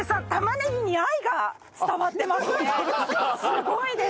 すごいです！